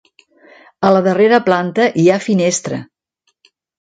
A la darrera planta hi ha finestra.